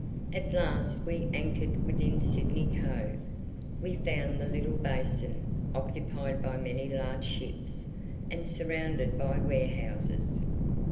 At last we anchored within Sydney Cove. We found the little basin occupied by many large ships, and surrounded by warehouses.